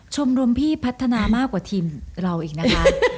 ชมรมพี่พัฒนามากกว่าทีมเราอีกนะคะ